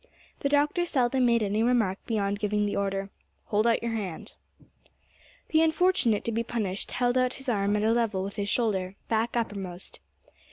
The Doctor seldom made any remark beyond giving the order, "Hold out your hand." The unfortunate to be punished held out his arm at a level with his shoulder, back uppermost.